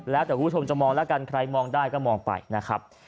แล้วแต่คุณผู้ชมจะมองแล้วกันใครมองได้ก็มองไปนะครับ